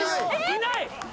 いない！